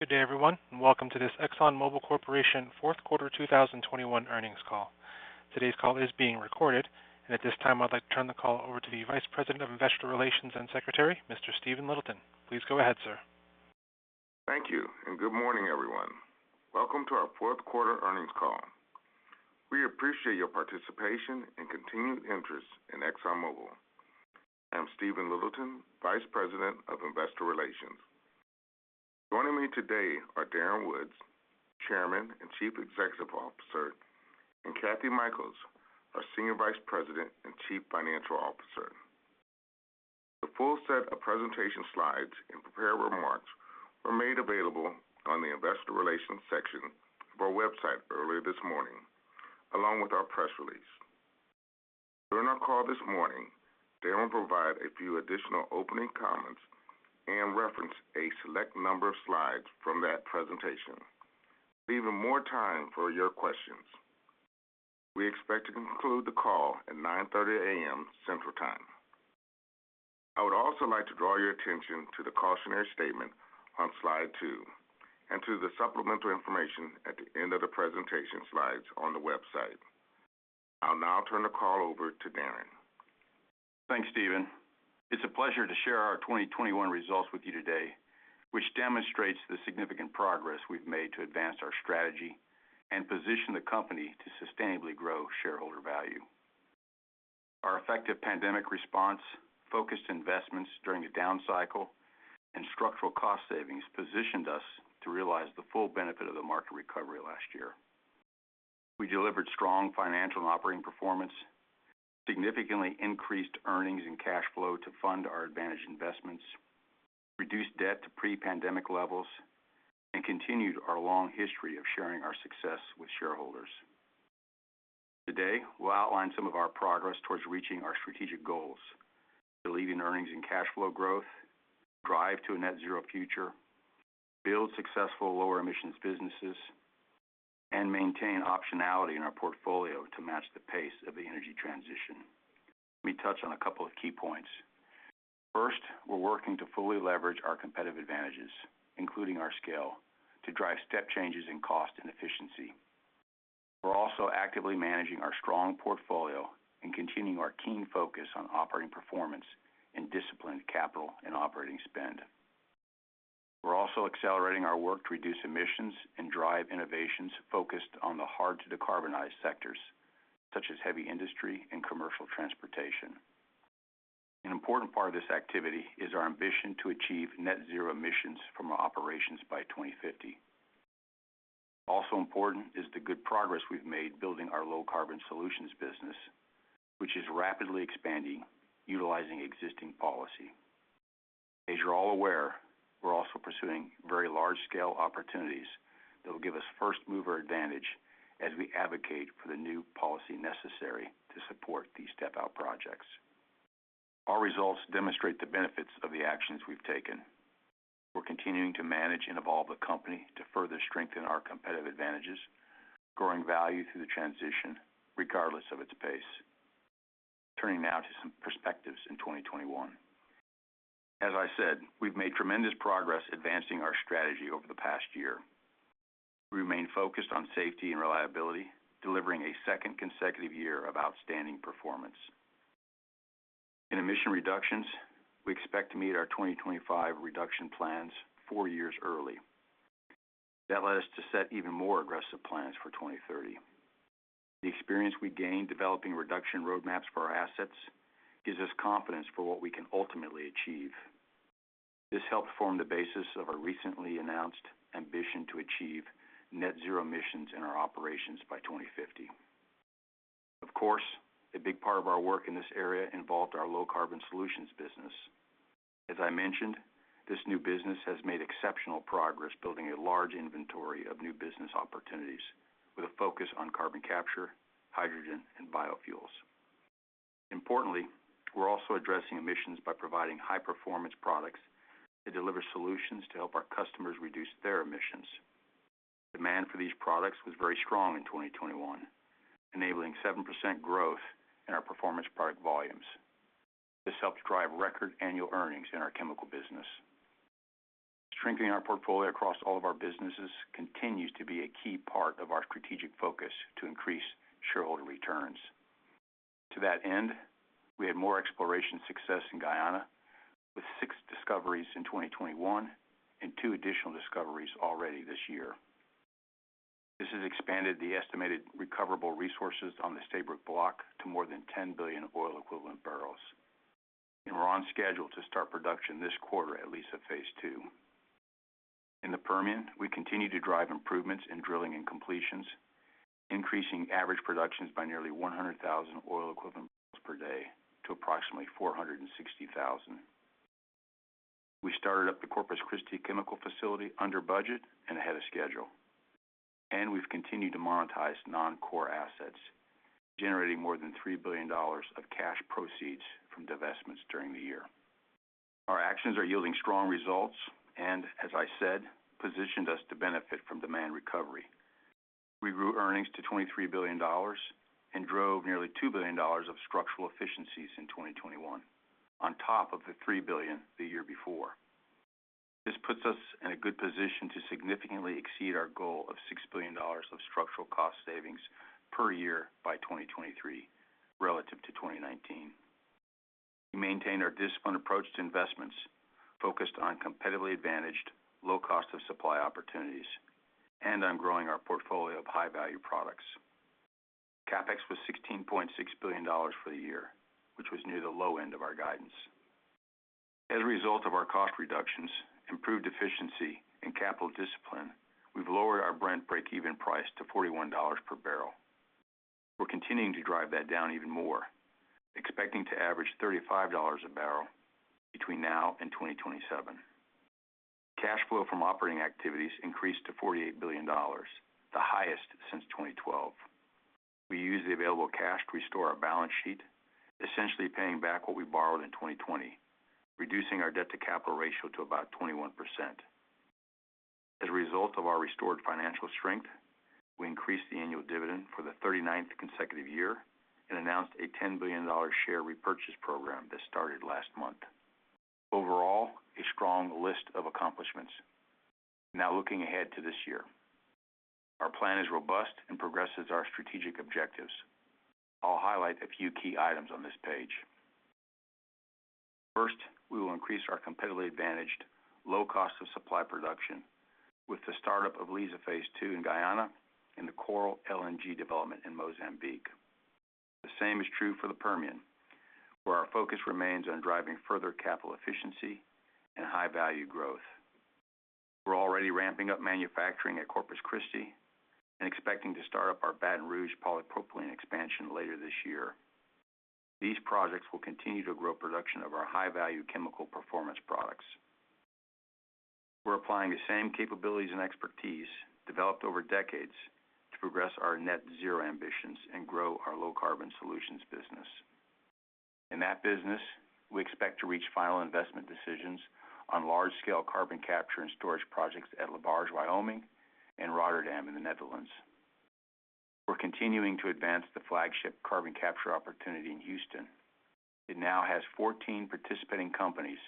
Good day, everyone, and welcome to this ExxonMobil Corporation Q4 2021 earnings call. Today's call is being recorded. At this time, I'd like to turn the call over to the Vice President of Investor Relations and Secretary, Mr. Stephen Littleton. Please go ahead, sir. Thank you, and good morning, everyone. Welcome to our Q4 earnings call. We appreciate your participation and continued interest in ExxonMobil. I'm Stephen Littleton, Vice President of Investor Relations. Joining me today are Darren Woods, Chairman and Chief Executive Officer, and Kathryn Mikells, our Senior Vice President and Chief Financial Officer. The full set of presentation slides and prepared remarks were made available on the investor relations section of our website earlier this morning, along with our press release. During our call this morning, Darren will provide a few additional opening comments and reference a select number of slides from that presentation, leaving more time for your questions. We expect to conclude the call at 9:30 A.M. Central Time. I would also like to draw your attention to the cautionary statement on slide two and to the supplemental information at the end of the presentation slides on the website. I'll now turn the call over to Darren. Thanks, Stephen. It's a pleasure to share our 2021 results with you today, which demonstrates the significant progress we've made to advance our strategy and position the company to sustainably grow shareholder value. Our effective pandemic response, focused investments during a down cycle, and structural cost savings positioned us to realize the full benefit of the market recovery last year. We delivered strong financial and operating performance, significantly increased earnings and cash flow to fund our advantage investments, reduced debt to pre-pandemic levels, and continued our long history of sharing our success with shareholders. Today, we'll outline some of our progress towards reaching our strategic goals, delivering earnings and cash flow growth, drive to a net zero future, build successful lower emissions businesses, and maintain optionality in our portfolio to match the pace of the energy transition. Let me touch on a couple of key points. 1st, we're working to fully leverage our competitive advantages, including our scale, to drive step changes in cost and efficiency. We're also actively managing our strong portfolio and continuing our keen focus on operating performance and disciplined capital and operating spend. We're also accelerating our work to reduce emissions and drive innovations focused on the hard-to-decarbonize sectors, such as heavy industry and commercial transportation. An important part of this activity is our ambition to achieve net zero emissions from our operations by 2050. Also important is the good progress we've made building our Low Carbon Solutions business, which is rapidly expanding utilizing existing policy. As you're all aware, we're also pursuing very large-scale opportunities that will give us first-mover advantage as we advocate for the new policy necessary to support these step-out projects. Our results demonstrate the benefits of the actions we've taken. We're continuing to manage and evolve the company to further strengthen our competitive advantages, growing value through the transition regardless of its pace. Turning now to some perspectives in 2021. As I said, we've made tremendous progress advancing our strategy over the past year. We remain focused on safety and reliability, delivering a second consecutive year of outstanding performance. In emission reductions, we expect to meet our 2025 reduction plans four years early. That led us to set even more aggressive plans for 2030. The experience we gained developing reduction roadmaps for our assets gives us confidence for what we can ultimately achieve. This helped form the basis of our recently announced ambition to achieve net zero emissions in our operations by 2050. Of course, a big part of our work in this area involved our Low Carbon Solutions business. As I mentioned, this new business has made exceptional progress building a large inventory of new business opportunities with a focus on carbon capture, hydrogen, and biofuels. Importantly, we're also addressing emissions by providing high-performance products that deliver solutions to help our customers reduce their emissions. Demand for these products was very strong in 2021, enabling 7% growth in our performance product volumes. This helped drive record annual earnings in our chemical business. Strengthening our portfolio across all of our businesses continues to be a key part of our strategic focus to increase shareholder returns. To that end, we had more exploration success in Guyana with six discoveries in 2021 and two additional discoveries already this year. This has expanded the estimated recoverable resources on the Stabroek Block to more than 10 billion oil-equivalent barrels. We're on schedule to start production this quarter at Liza phase ll. In the Permian, we continue to drive improvements in drilling and completions, increasing average productions by nearly 100,000 oil equivalent barrels per day to approximately 460,000. We started up the Corpus Christi chemical facility under budget and ahead of schedule. We've continued to monetize non-core assets, generating more than $3 billion of cash proceeds from divestments during the year. Our actions are yielding strong results and, as I said, positioned us to benefit from demand recovery. We grew earnings to $23 billion and drove nearly $2 billion of structural efficiencies in 2021 on top of the $3 billion the year before. This puts us in a good position to significantly exceed our goal of $6 billion of structural cost savings per year by 2023 relative to 2019. We maintain our disciplined approach to investments focused on competitively advantaged low cost of supply opportunities and on growing our portfolio of high-value products. CapEx was $16.6 billion for the year, which was near the low end of our guidance. As a result of our cost reductions, improved efficiency, and capital discipline, we've lowered our Brent breakeven price to $41 per barrel. We're continuing to drive that down even more, expecting to average $35 a barrel between now and 2027. Cash flow from operating activities increased to $48 billion, the highest since 2012. We used the available cash to restore our balance sheet, essentially paying back what we borrowed in 2020, reducing our debt-to-capital ratio to about 21%. As a result of our restored financial strength, we increased the annual dividend for the 39th consecutive year and announced a $10 billion share repurchase program that started last month. Overall, a strong list of accomplishments. Now looking ahead to this year. Our plan is robust and progresses our strategic objectives. I'll highlight a few key items on this page. 1st, we will increase our competitively advantaged low-cost-of-supply production with the startup of Liza phase ll in Guyana and the Coral South development in Mozambique. The same is true for the Permian, where our focus remains on driving further capital efficiency and high-value growth. We're already ramping up manufacturing at Corpus Christi and expecting to start up our Baton Rouge polypropylene expansion later this year. These projects will continue to grow production of our high-value chemical performance products. We're applying the same capabilities and expertise developed over decades to progress our net zero ambitions and grow our Low Carbon Solutions business. In that business, we expect to reach final investment decisions on large-scale carbon capture and storage projects at LaBarge, Wyoming, and Rotterdam in the Netherlands. We're continuing to advance the flagship carbon capture opportunity in Houston. It now has 14 participating companies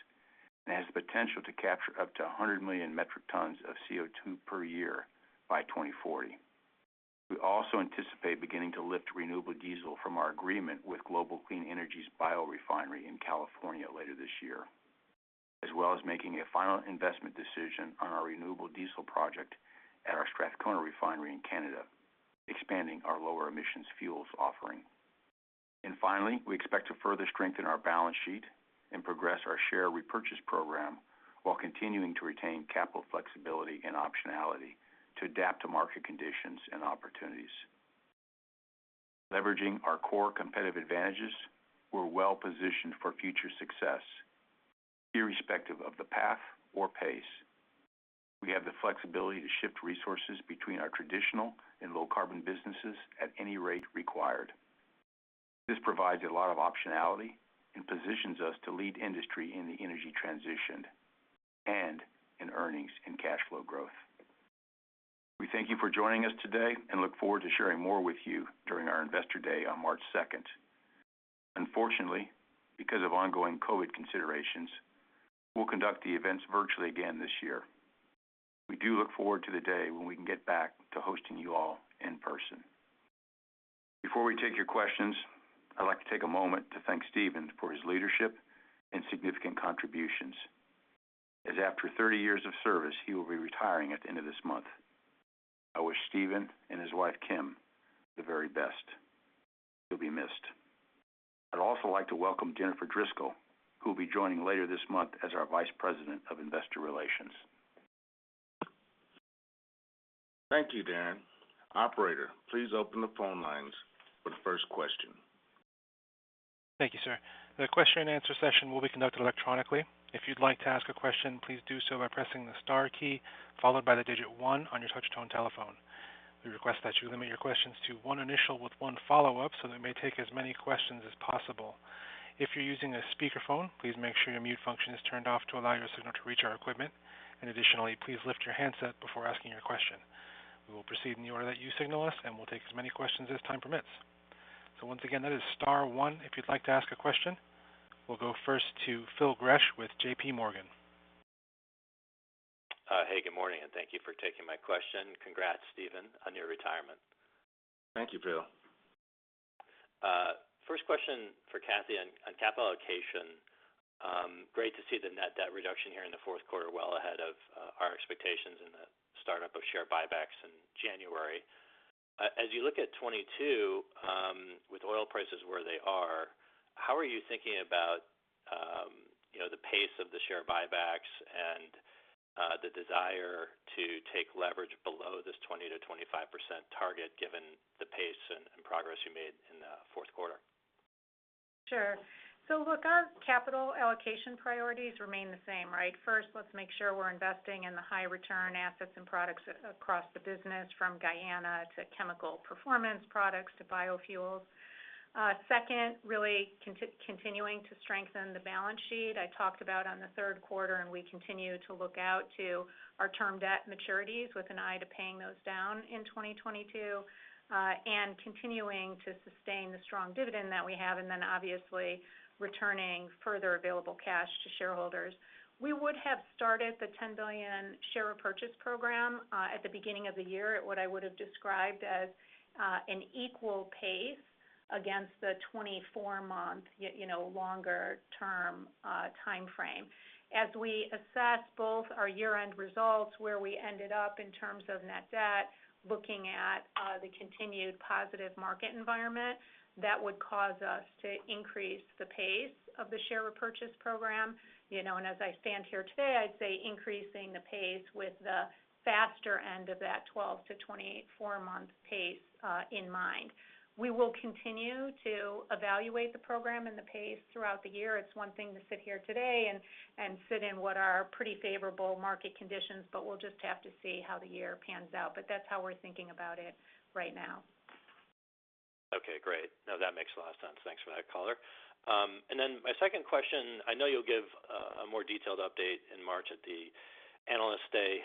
and has the potential to capture up to 100 million metric tons of CO2 per year by 2040. We also anticipate beginning to lift renewable diesel from our agreement with Global Clean Energy's biorefinery in California later this year, as well as making a final investment decision on our renewable diesel project at our Strathcona refinery in Canada, expanding our lower emissions fuels offering. Finally, we expect to further strengthen our balance sheet and progress our share repurchase program while continuing to retain capital flexibility and optionality to adapt to market conditions and opportunities. Leveraging our core competitive advantages, we're well positioned for future success irrespective of the path or pace. We have the flexibility to shift resources between our traditional and low-carbon businesses at any rate required. This provides a lot of optionality and positions us to lead industry in the energy transition and in earnings and cash flow growth. We thank you for joining us today and look forward to sharing more with you during our Investor Day on March second. Unfortunately, because of ongoing COVID considerations, we'll conduct the events virtually again this year. We do look forward to the day when we can get back to hosting you all in person. Before we take your questions, I'd like to take a moment to thank Stephen for his leadership and significant contributions, as after 30 years of service, he will be retiring at the end of this month. I wish Stephen and his wife, Kim, the very best. He'll be missed. I'd also like to welcome Jennifer Driscoll, who will be joining later this month as our Vice President of Investor Relations. Thank you, Darren. Operator, please open the phone lines for the 1st question. Thank you, sir. The question and answer session will be conducted electronically. If you'd like to ask a question, please do so by pressing the star key followed by the digit one on your touch-tone telephone. We request that you limit your questions to one initial with one follow-up so that we may take as many questions as possible. If you're using a speakerphone, please make sure your mute function is turned off to allow your signal to reach our equipment. Additionally, please lift your handset before asking your question. We will proceed in the order that you signal us, and we'll take as many questions as time permits. Once again, that is star one if you'd like to ask a question. We'll go first to Phil Gresh with J.P. Morgan. Hey, good morning, and thank you for taking my question. Congrats, Stephen, on your retirement. Thank you, Phil. First question for Kathy on capital allocation. Great to see the net debt reduction here in the Q4 well ahead of our expectations in the startup of share buybacks in January. As you look at 2022, with oil prices where they are, how are you thinking about you know, the pace of the share buybacks and the desire to take leverage below this 20%-25% target given the pace and progress you made in the Q4? Sure. Look, our capital allocation priorities remain the same, right? 1st, let's make sure we're investing in the high return assets and products across the business from Guyana to chemical performance products to biofuels. 2nd, continuing to strengthen the balance sheet. I talked about in the Q3, and we continue to look to our term debt maturities with an eye to paying those down in 2022, and continuing to sustain the strong dividend that we have, and then obviously returning further available cash to shareholders. We would have started the $10 billion share repurchase program at the beginning of the year at what I would have described as an equal pace against the 24-month you know, longer term time frame. As we assess both our year-end results, where we ended up in terms of net debt, looking at the continued positive market environment, that would cause us to increase the pace of the share repurchase program. You know, and as I stand here today, I'd say increasing the pace with the faster end of that 12-24 month pace in mind. We will continue to evaluate the program and the pace throughout the year. It's one thing to sit here today and sit in what are pretty favorable market conditions, but we'll just have to see how the year pans out. That's how we're thinking about it right now. Okay, great. No, that makes a lot of sense. Thanks for that color. And then my 2nd question, I know you'll give a more detailed update in March at the Investor Day,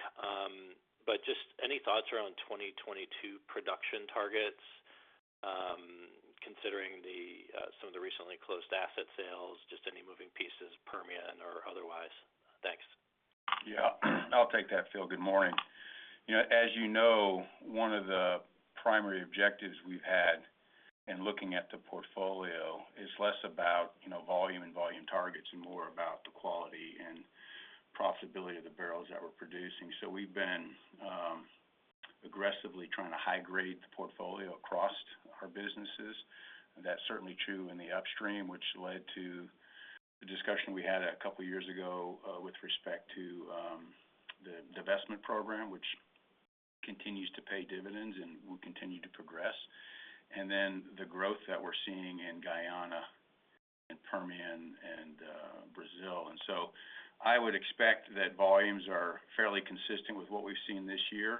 but just any thoughts around 2022 production targets, considering some of the recently closed asset sales, just any moving pieces, Permian or otherwise? Thanks. Yeah. I'll take that, Phil. Good morning. You know, as you know, one of the primary objectives we've had in looking at the portfolio is less about, you know, volume and volume targets and more about the quality and profitability of the barrels that we're producing. We've been aggressively trying to high grade the portfolio across our businesses. That's certainly true in the upstream, which led to the discussion we had a couple years ago with respect to the divestment program, which continues to pay dividends and will continue to progress. The growth that we're seeing in Guyana and Permian and Brazil. I would expect that volumes are fairly consistent with what we've seen this year,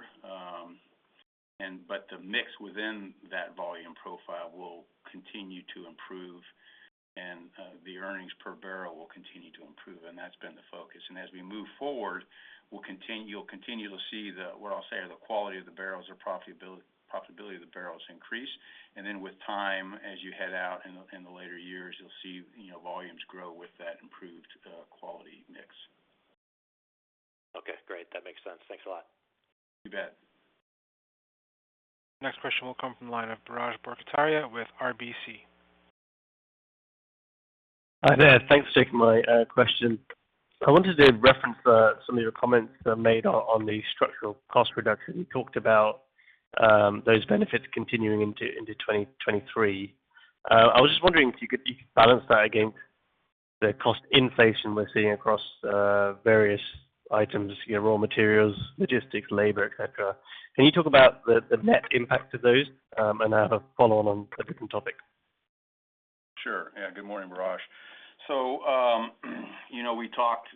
but the mix within that volume profile will continue to improve and, the earnings per barrel will continue to improve, and that's been the focus. As we move forward, you'll continue to see the what I'll say the quality of the barrels or profitability of the barrels increase. Then with time, as you head out in the later years, you'll see, you know, volumes grow with that improved quality mix. Okay, great. That makes sense. Thanks a lot. You bet. Next question will come from the line of Biraj Borkhataria with RBC. Hi there. Thanks for taking my question. I wanted to reference some of your comments that were made on the structural cost reduction. You talked about those benefits continuing into 2023. I was just wondering if you could balance that against the cost inflation we're seeing across various items, you know, raw materials, logistics, labor, et cetera. Can you talk about the net impact of those? I have a follow-on on a different topic. Sure. Yeah. Good morning, Biraj. You know, we talked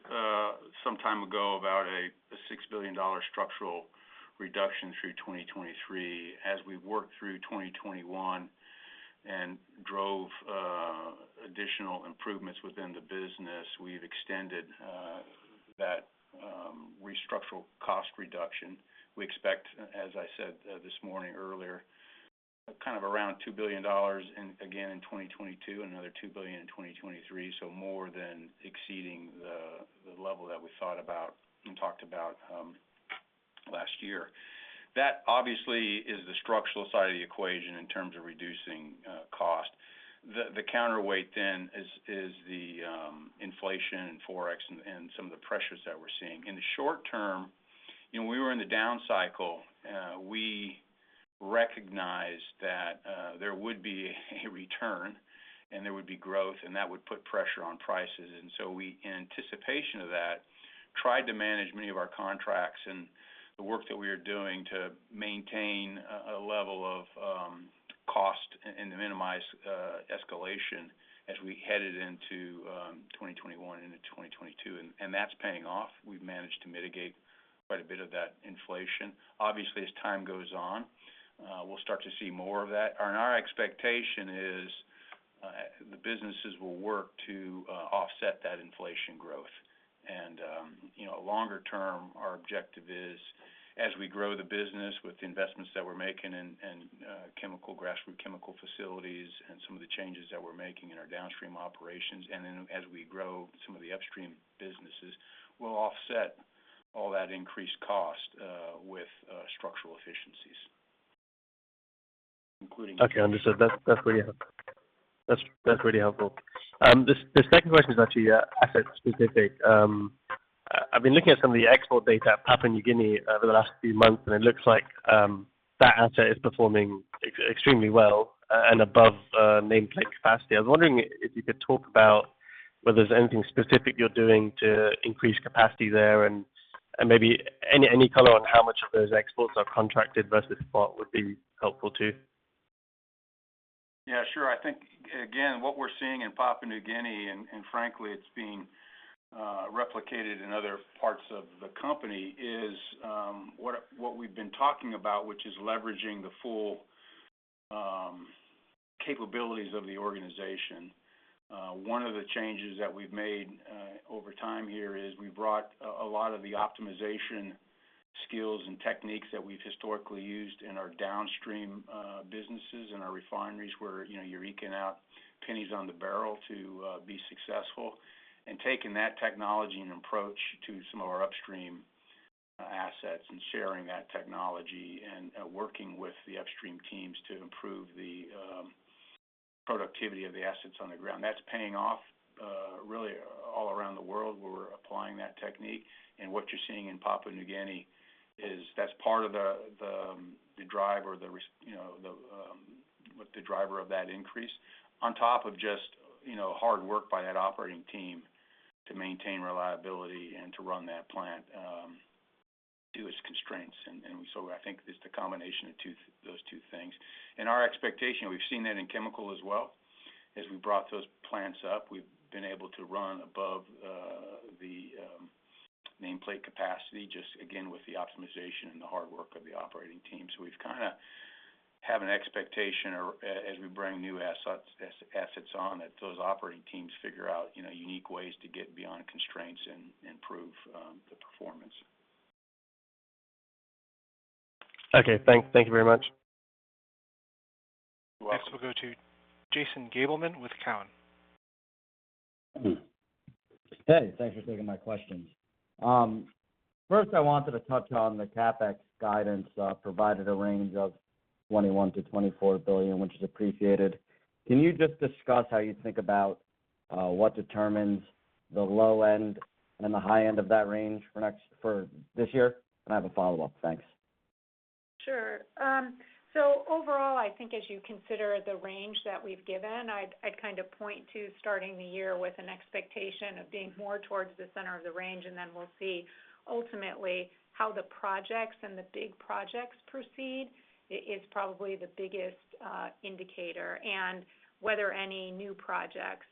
some time ago about a $6 billion structural reduction through 2023. As we worked through 2021 and drove additional improvements within the business, we've extended that structural cost reduction. We expect, as I said this morning earlier, kind of around $2 billion in, again, in 2022, another $2 billion in 2023. More than exceeding the level that we thought about and talked about last year. That obviously is the structural side of the equation in terms of reducing cost. The counterweight then is the inflation and Forex and some of the pressures that we're seeing. In the short term, you know, we were in the down cycle, we recognized that, there would be a return and there would be growth, and that would put pressure on prices. We, in anticipation of that, tried to manage many of our contracts and the work that we were doing to maintain a level of cost and to minimize escalation as we headed into 2021 into 2022, and that's paying off. We've managed to mitigate quite a bit of that inflation. Obviously, as time goes on, we'll start to see more of that. Our expectation is, the businesses will work to offset that inflation growth. You know, longer term, our objective is, as we grow the business with the investments that we're making in grassroots chemical facilities and some of the changes that we're making in our downstream operations, and then as we grow some of the upstream businesses, we'll offset all that increased cost with structural efficiencies. Okay, understood. That's really helpful. Just this second question is actually asset-specific. I've been looking at some of the export data at Papua New Guinea over the last few months, and it looks like that asset is performing extremely well and above nameplate capacity. I was wondering if you could talk about whether there's anything specific you're doing to increase capacity there, and maybe any color on how much of those exports are contracted versus spot would be helpful too. Yeah, sure. I think, again, what we're seeing in Papua New Guinea, and frankly, it's been replicated in other parts of the company is what we've been talking about, which is leveraging the full capabilities of the organization. One of the changes that we've made over time here is we've brought a lot of the optimization skills and techniques that we've historically used in our downstream businesses and our refineries, where, you know, you're eking out pennies on the barrel to be successful. Taking that technology and approach to some of our upstream assets and sharing that technology and working with the upstream teams to improve the productivity of the assets on the ground. That's paying off really all around the world where we're applying that technique. What you're seeing in Papua New Guinea is that's part of the drive or you know, the driver of that increase. On top of just you know, hard work by that operating team to maintain reliability and to run that plant to its constraints. So I think it's the combination of those two things. Our expectation, we've seen that in chemical as well. As we brought those plants up, we've been able to run above the nameplate capacity, just again with the optimization and the hard work of the operating team. So we've kind a have an expectation or as we bring new assets on, that those operating teams figure out you know, unique ways to get beyond constraints and improve the performance. Okay. Thank you very much. You're welcome. Next we'll go to Jason Gabelman with Cowen. Hey, thanks for taking my questions. First I wanted to touch on the CapEx guidance provided a range of $21 billion-$24 billion, which is appreciated. Can you just discuss how you think about what determines the low end and the high end of that range for this year? I have a follow-up. Thanks. Sure. So overall, I think as you consider the range that we've given, I'd kind of point to starting the year with an expectation of being more towards the center of the range, and then we'll see ultimately how the projects and the big projects proceed. It is probably the biggest indicator. Whether any new projects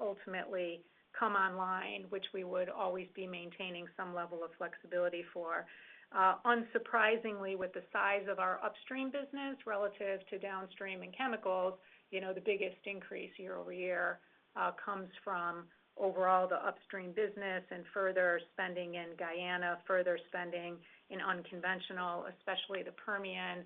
ultimately come online, which we would always be maintaining some level of flexibility for. Unsurprisingly, with the size of our upstream business relative to downstream and chemicals, you know, the biggest increase year-over-year comes from overall the upstream business and further spending in Guyana, further spending in unconventional, especially the Permian,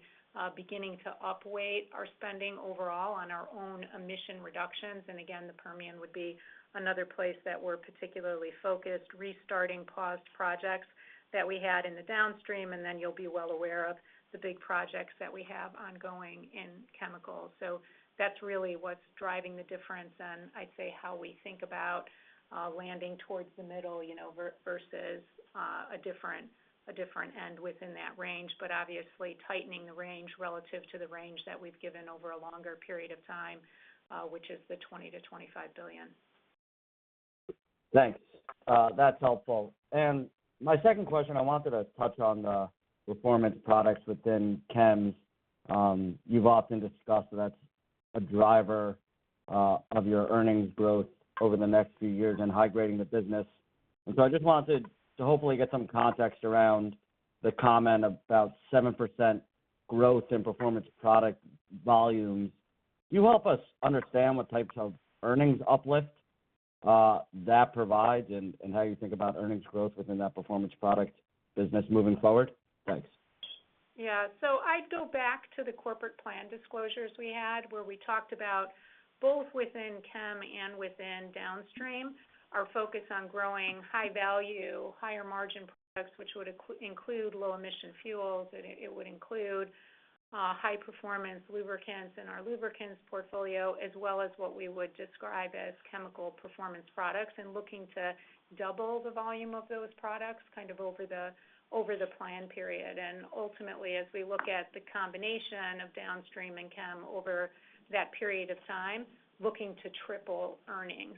beginning to upweight our spending overall on our own emission reductions. Again, the Permian would be another place that we're particularly focused, restarting paused projects that we had in the downstream, and then you'll be well aware of the big projects that we have ongoing in chemicals. That's really what's driving the difference. I'd say how we think about landing towards the middle, you know, versus a different end within that range. Obviously tightening the range relative to the range that we've given over a longer period of time, which is the $20 billion-$25 billion. 2Thanks. That's helpful. My 2nd question, I wanted to touch on the performance products within chems. You've often discussed that's a driver of your earnings growth over the next few years and high grading the business. I just wanted to hopefully get some context around the comment about 7% growth in performance product volumes. Can you help us understand what types of earnings uplift that provides and how you think about earnings growth within that performance product business moving forward? Thanks. Yeah. I'd go back to the corporate plan disclosures we had, where we talked about both within chem and within downstream, our focus on growing high-value, higher-margin products, which would include low-emission fuels, high-performance lubricants in our lubricants portfolio, as well as what we would describe as chemical performance products, and looking to double the volume of those products kind of over the plan period. Ultimately, as we look at the combination of downstream and chem over that period of time, looking to triple earnings.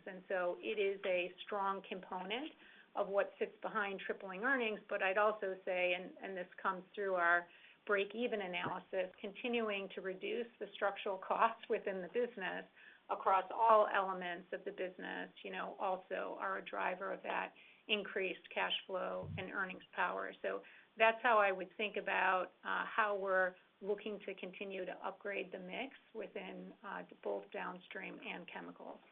It is a strong component of what sits behind tripling earnings. I'd also say, and this comes through our breakeven analysis, continuing to reduce the structural cost within the business across all elements of the business, you know, also are a driver of that increased cash flow and earnings power. That's how I would think about how we're looking to continue to upgrade the mix within both Downstream and Chemicals.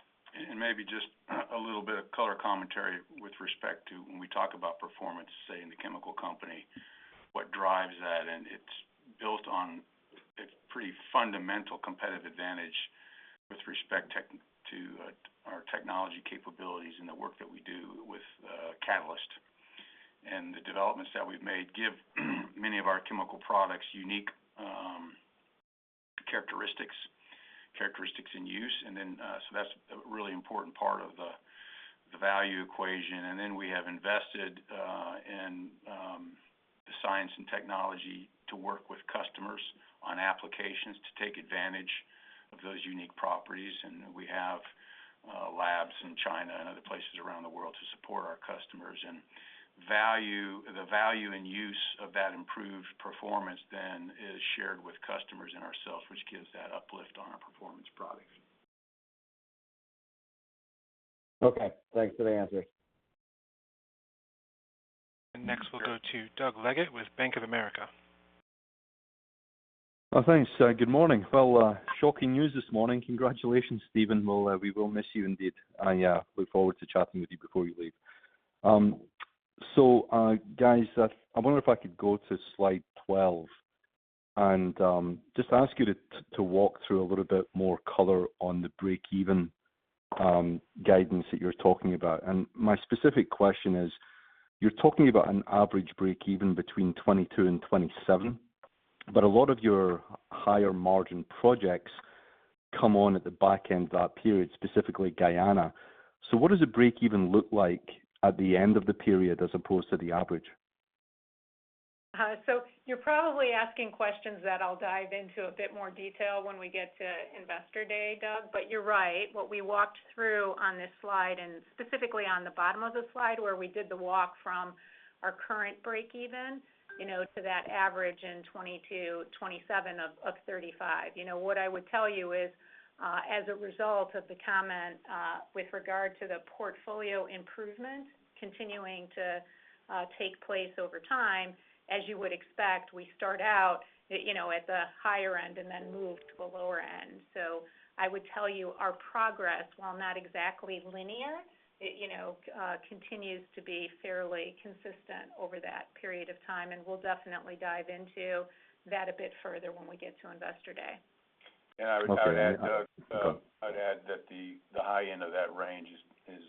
Maybe just a little bit of color commentary with respect to when we talk about performance, say in the chemical company, what drives that, and it's built on a pretty fundamental competitive advantage with respect to our technology capabilities and the work that we do with catalyst. The developments that we've made give many of our chemical products unique characteristics in use. That's a really important part of the value equation. We have invested in the science and technology to work with customers on applications to take advantage of those unique properties. We have labs in China and other places around the world to support our customers and the value and use of that improved performance then is shared with customers and ourselves, which gives that uplift on our performance products. Okay, thanks for the answer. Next we'll go to Doug Leggate with Bank of America. Thanks. Good morning. Well, shocking news this morning. Congratulations, Stephen. We will miss you indeed. I look forward to chatting with you before you leave. Guys, I wonder if I could go to slide 12 and just ask you to walk through a little bit more color on the breakeven guidance that you're talking about. My specific question is: You're talking about an average breakeven between $22-$27, but a lot of your higher margin projects come on at the back end of that period, specifically Guyana. What does a breakeven look like at the end of the period as opposed to the average? You're probably asking questions that I'll dive into a bit more detail when we get to Investor Day, Doug. You're right. What we walked through on this slide, and specifically on the bottom of the slide, where we did the walk from our current breakeven, you know, to that average in 2022-2027 of 35. You know, what I would tell you is, as a result of the comment with regard to the portfolio improvement continuing to take place over time, as you would expect, we start out, you know, at the higher end and then move to the lower end. I would tell you our progress, while not exactly linear, it, you know, continues to be fairly consistent over that period of time, and we'll definitely dive into that a bit further when we get to Investor Day. Okay. I would add, Doug, that the high end of that range is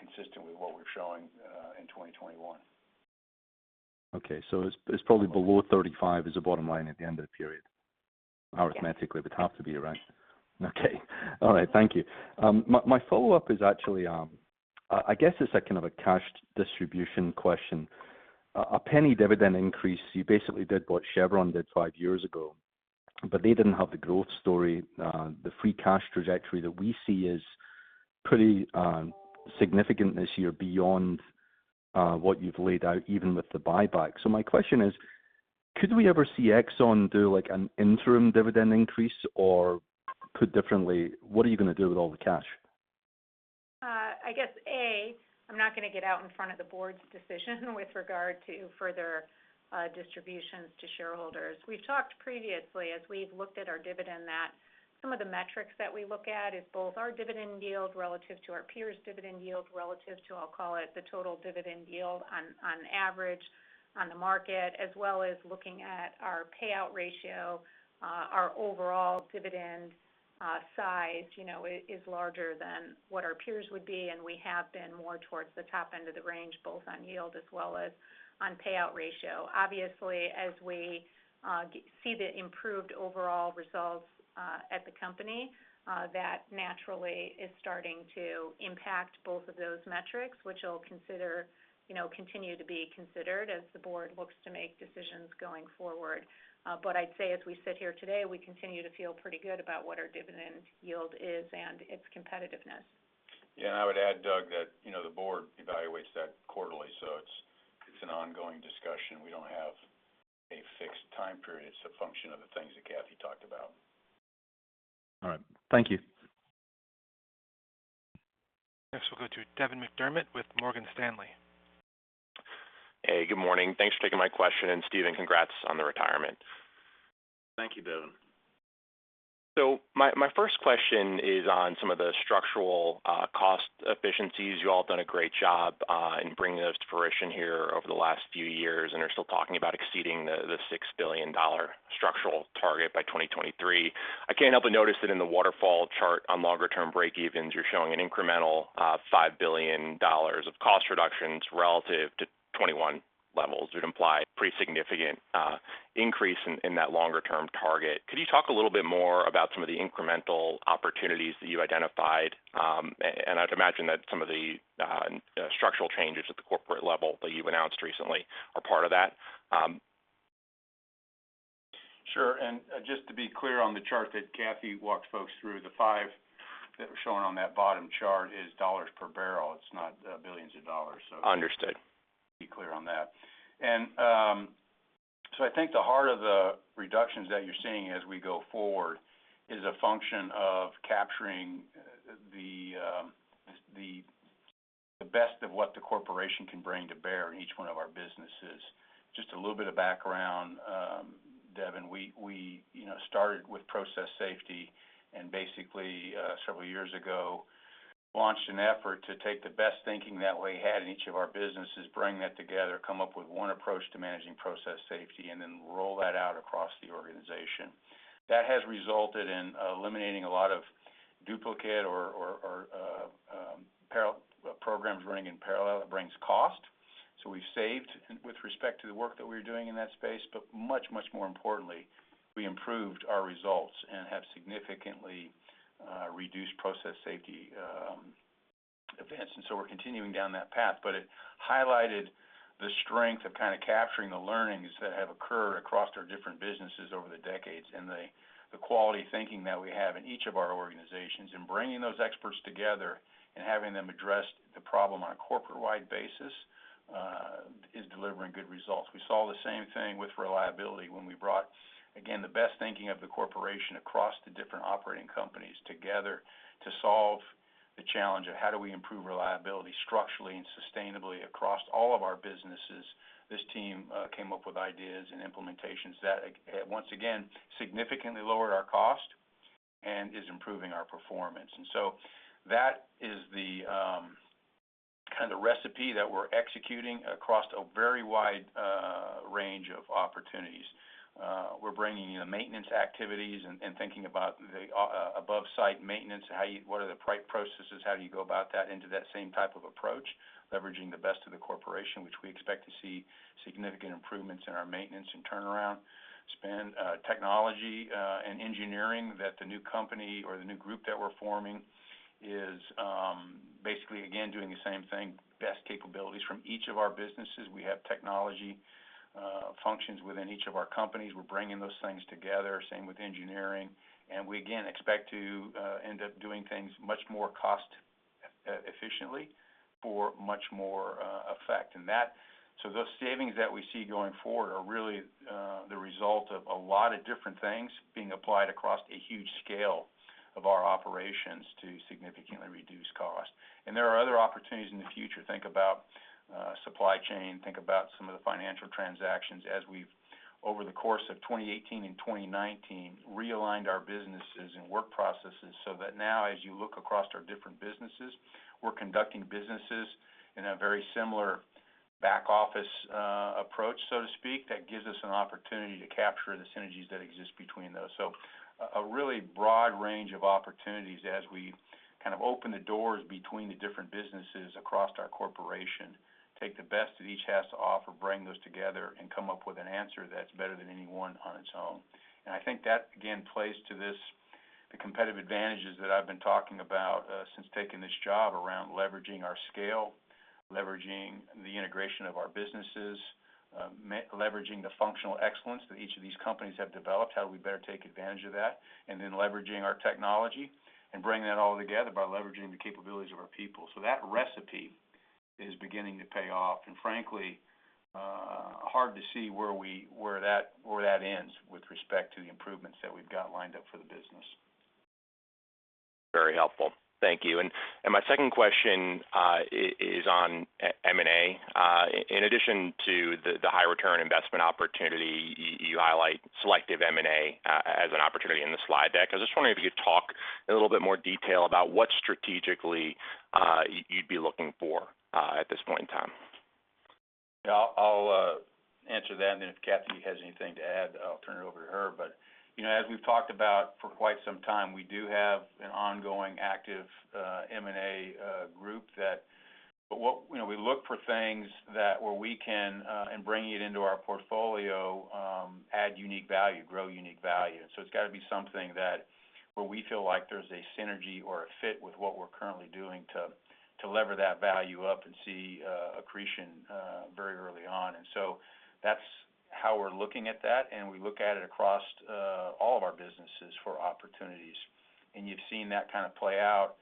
consistent with what we're showing in 2021. Okay. It's probably below 35 is the bottom line at the end of the period. Yes. Arithmetically, it would have to be around. Okay. All right, thank you. My follow-up is actually, I guess it's a kind of a cash distribution question. A penny dividend increase, you basically did what Chevron did five years ago, but they didn't have the growth story. The free cash trajectory that we see is pretty significant this year beyond what you've laid out, even with the buyback. My question is: Could we ever see Exxon do, like, an interim dividend increase? Or put differently, what are you gonna do with all the cash? I'm not gonna get out in front of the board's decision with regard to further distributions to shareholders. We've talked previously as we've looked at our dividend that some of the metrics that we look at is both our dividend yield relative to our peers' dividend yield, relative to, I'll call it, the total dividend yield on average on the market, as well as looking at our payout ratio. Our overall dividend size, you know, is larger than what our peers would be, and we have been more towards the top end of the range, both on yield as well as on payout ratio. Obviously, as we see the improved overall results at the company, that naturally is starting to impact both of those metrics, which, you know, continue to be considered as the board looks to make decisions going forward. I'd say as we sit here today, we continue to feel pretty good about what our dividend yield is and its competitiveness. Yeah. I would add, Doug, that, you know, the board evaluates that quarterly, so it's an ongoing discussion. We don't have a fixed time period. It's a function of the things that Kathy talked about. All right. Thank you. Next, we'll go to Devin McDermott with Morgan Stanley. Hey, good morning. Thanks for taking my question. Stephen, congrats on the retirement. Thank you, Devin. My first question is on some of the structural cost efficiencies. You all have done a great job in bringing those to fruition here over the last few years, and are still talking about exceeding the $6 billion structural target by 2023. I can't help but notice that in the waterfall chart on longer term breakevens, you're showing an incremental $5 billion of cost reductions relative to 2021 levels. It would imply pretty significant increase in that longer term target. Could you talk a little bit more about some of the incremental opportunities that you identified? And I'd imagine that some of the structural changes at the corporate level that you've announced recently are part of that. Sure. Just to be clear on the chart that Kathy walked folks through, the $5 that was shown on that bottom chart is $ per barrel. It's not billions of dollars. Understood. To be clear on that. I think the heart of the reductions that you're seeing as we go forward is a function of capturing the best of what the corporation can bring to bear in each one of our businesses. Just a little bit of background, Devin, we you know started with process safety and basically several years ago launched an effort to take the best thinking that we had in each of our businesses, bring that together, come up with one approach to managing process safety, and then roll that out across the organization. That has resulted in eliminating a lot of duplicate or parallel programs running in parallel. It brings cost. We've saved with respect to the work that we're doing in that space. Much, much more importantly, we improved our results and have significantly reduced process safety events. We're continuing down that path. It highlighted the strength of kind of capturing the learnings that have occurred across our different businesses over the decades and the quality thinking that we have in each of our organizations, and bringing those experts together and having them address the problem on a corporate-wide basis is delivering good results. We saw the same thing with reliability when we brought, again, the best thinking of the corporation across the different operating companies together to solve the challenge of how do we improve reliability structurally and sustainably across all of our businesses. This team came up with ideas and implementations that once again, significantly lowered our cost and is improving our performance. That is the kind of recipe that we're executing across a very wide range of opportunities. We're bringing in the maintenance activities and thinking about the above-site maintenance, what are the processes, how do you go about that into that same type of approach, leveraging the best of the corporation, which we expect to see significant improvements in our maintenance and turnaround spend. Technology and engineering that the new company or the new group that we're forming is basically again doing the same thing, best capabilities from each of our businesses. We have technology functions within each of our companies. We're bringing those things together, same with engineering. We again expect to end up doing things much more cost-efficiently for much more effect. Those savings that we see going forward are really the result of a lot of different things being applied across a huge scale of our operations to significantly reduce cost. There are other opportunities in the future. Think about supply chain, think about some of the financial transactions as we've, over the course of 2018 and 2019, realigned our businesses and work processes so that now as you look across our different businesses, we're conducting businesses in a very similar back-office approach, so to speak, that gives us an opportunity to capture the synergies that exist between those. A really broad range of opportunities as we kind of open the doors between the different businesses across our corporation, take the best that each has to offer, bring those together, and come up with an answer that's better than any one on its own. I think that again plays to the competitive advantages that I've been talking about since taking this job around leveraging our scale, leveraging the integration of our businesses, merely leveraging the functional excellence that each of these companies have developed, how do we better take advantage of that, and then leveraging our technology and bringing that all together by leveraging the capabilities of our people. That recipe is beginning to pay off. Frankly, hard to see where that ends with respect to the improvements that we've got lined up for the business. Very helpful. Thank you. My 2nd question is on M&A. In addition to the high return investment opportunity, you highlight selective M&A as an opportunity in the slide deck. I was just wondering if you could talk in a little bit more detail about what strategically you'd be looking for at this point in time. Yeah. I'll answer that, and then if Kathy has anything to add, I'll turn it over to her. You know, as we've talked about for quite some time, we do have an ongoing active M&A group, you know, we look for things that where we can in bringing it into our portfolio add unique value, grow unique value. It's got to be something that where we feel like there's a synergy or a fit with what we're currently doing to lever that value up and see accretion very early on. That's how we're looking at that, and we look at it across all of our businesses for opportunities. You've seen that kind of play out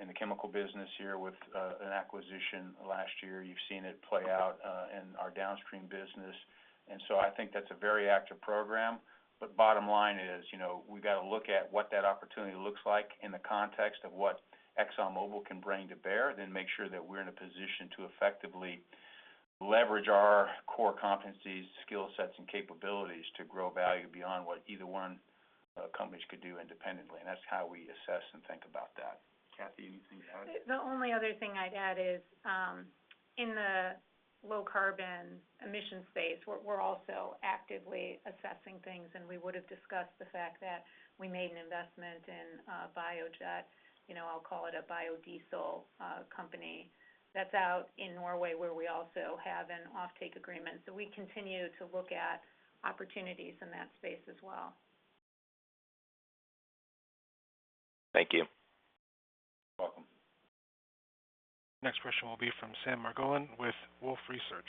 in the chemical business here with an acquisition last year. You've seen it play out in our downstream business. I think that's a very active program. Bottom line is, you know, we've got to look at what that opportunity looks like in the context of what ExxonMobil can bring to bear, then make sure that we're in a position to effectively leverage our core competencies, skill sets, and capabilities to grow value beyond what either one of the companies could do independently. That's how we assess and think about that. Kathy, anything to add? The only other thing I'd add is in the low carbon emission space, we're also actively assessing things, and we would have discussed the fact that we made an investment in Biojet. You know, I'll call it a biodiesel company that's out in Norway, where we also have an offtake agreement. We continue to look at opportunities in that space as well. Thank you. You're welcome. Next question will be from Sam Margolin with Wolfe Research.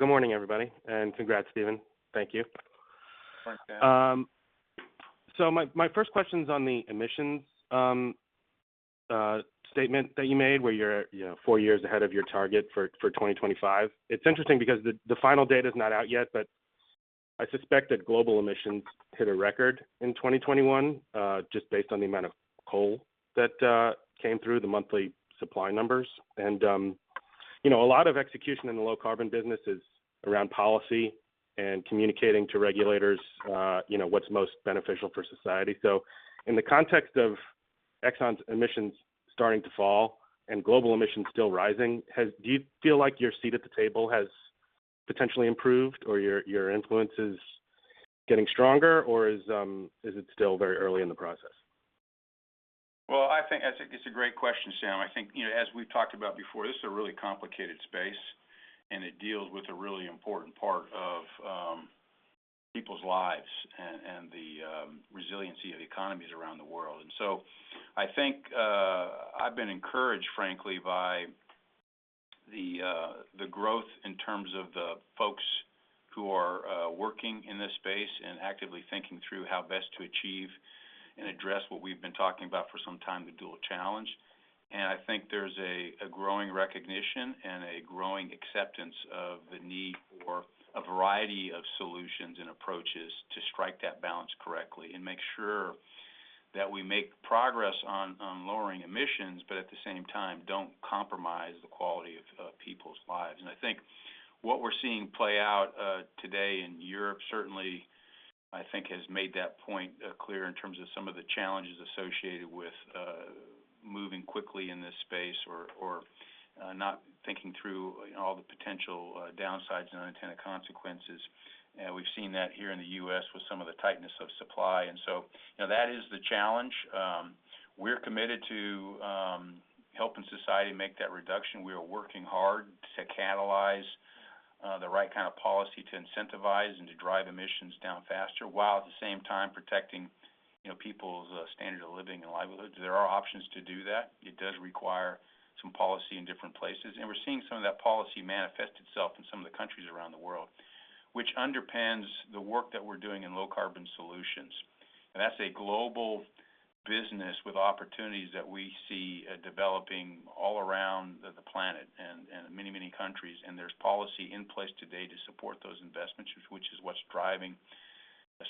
Good morning, everybody, and congrats, Stephen. Thank you. Thanks, Sam. My first question's on the emissions statement that you made where you're, you know, four years ahead of your target for 2025. It's interesting because the final data is not out yet, but I suspect that global emissions hit a record in 2021 just based on the amount of coal that came through the monthly supply numbers. You know, a lot of execution in the low carbon business is around policy and communicating to regulators, you know, what's most beneficial for society. In the context of ExxonMobil's emissions starting to fall and global emissions still rising, do you feel like your seat at the table has potentially improved or your influence is getting stronger, or is it still very early in the process? Well, I think it's a great question, Sam. I think, you know, as we've talked about before, this is a really complicated space, and it deals with a really important part of people's lives and the resiliency of economies around the world. I think I've been encouraged, frankly, by the growth in terms of the folks who are working in this space and actively thinking through how best to achieve and address what we've been talking about for some time, the dual challenge. I think there's a growing recognition and a growing acceptance of the need for a variety of solutions and approaches to strike that balance correctly and make sure that we make progress on lowering emissions, but at the same time, don't compromise the quality of people's lives. I think what we're seeing play out today in Europe, certainly, I think has made that point clear in terms of some of the challenges associated with moving quickly in this space or not thinking through all the potential downsides and unintended consequences. We've seen that here in the US with some of the tightness of supply. You know, that is the challenge. We're committed to helping society make that reduction. We are working hard to catalyze the right kind of policy to incentivize and to drive emissions down faster, while at the same time, protecting people's standard of living and livelihoods. There are options to do that. It does require some policy in different places. We're seeing some of that policy manifest itself in some of the countries around the world, which underpins the work that we're doing in Low Carbon Solutions. That's a global business with opportunities that we see developing all around the planet and in many countries. There's policy in place today to support those investments, which is what's driving,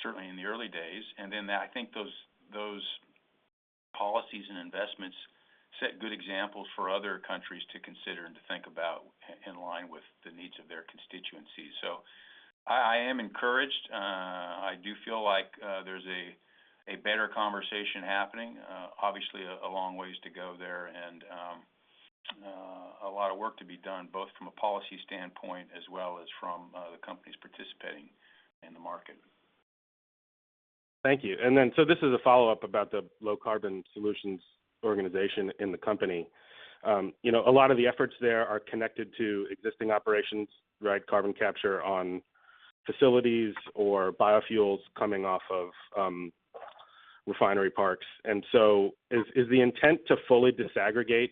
certainly in the early days. Then I think those policies and investments set good examples for other countries to consider and to think about in line with the needs of their constituencies. I am encouraged. I do feel like there's a better conversation happening. Obviously a long ways to go there and a lot of work to be done, both from a policy standpoint as well as from the companies participating in the market. Thank you. This is a follow-up about the Low Carbon Solutions organization in the company. You know, a lot of the efforts there are connected to existing operations, right? Carbon capture on facilities or biofuels coming off of refinery parks. Is the intent to fully disaggregate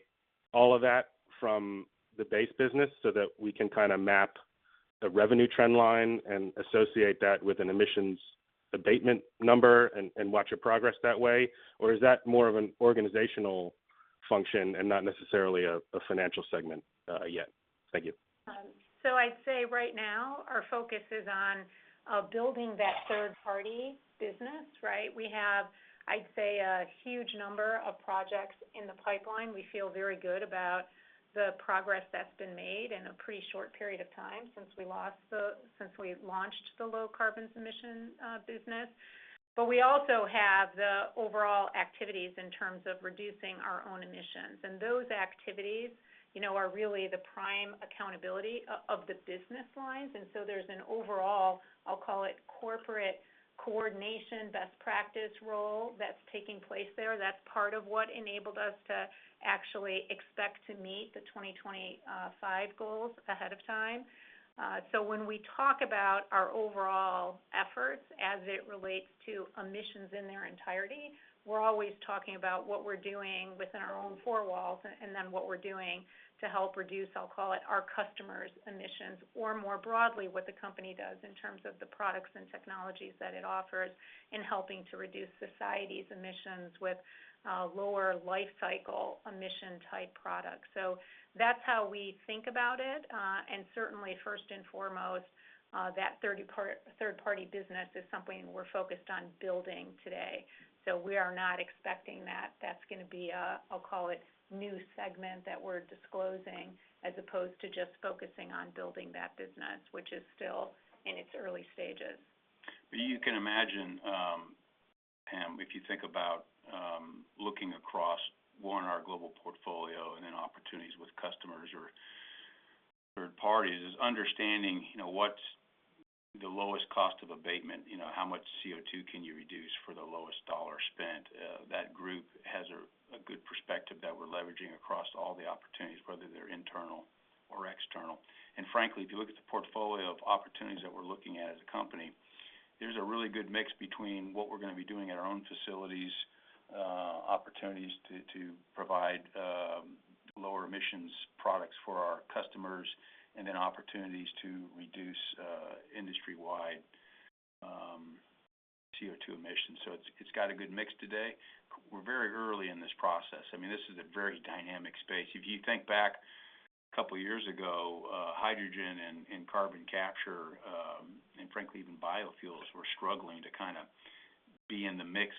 all of that from the base business so that we can map a revenue trend line and associate that with an emissions abatement number and watch it progress that way? Or is that more of an organizational function and not necessarily a financial segment yet? Thank you. I'd say right now our focus is on building that third-party business, right? We have, I'd say, a huge number of projects in the pipeline. We feel very good about the progress that's been made in a pretty short period of time since we launched the Low Carbon Solutions business. We also have the overall activities in terms of reducing our own emissions. Those activities, you know, are really the prime accountability of the business lines. There's an overall, I'll call it corporate coordination, best practice role that's taking place there. That's part of what enabled us to actually expect to meet the 2025 goals ahead of time. When we talk about our overall efforts as it relates to emissions in their entirety, we're always talking about what we're doing within our own four walls and then what we're doing to help reduce, I'll call it, our customers' emissions, or more broadly, what the company does in terms of the products and technologies that it offers in helping to reduce society's emissions with lower lifecycle emission-type products. That's how we think about it. Certainly, first and foremost, that third-party business is something we're focused on building today. We are not expecting that. That's gonna be a, I'll call it new segment that we're disclosing as opposed to just focusing on building that business, which is still in its early stages. You can imagine, Pam, if you think about looking across one, our global portfolio and then opportunities with customers or third parties, is understanding, you know, what's the lowest cost of abatement. You know, how much CO₂ can you reduce for the lowest dollar spent? That group has a good perspective that we're leveraging across all the opportunities, whether they're internal or external. Frankly, if you look at the portfolio of opportunities that we're looking at as a company, there's a really good mix between what we're gonna be doing at our own facilities, opportunities to provide lower emissions products for our customers, and then opportunities to reduce industry-wide CO₂ emissions. It's got a good mix today. We're very early in this process. I mean, this is a very dynamic space. If you think back a couple of years ago, hydrogen and carbon capture, and frankly, even biofuels were struggling to kind a be in the mix